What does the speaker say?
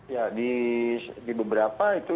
ya di beberapa itu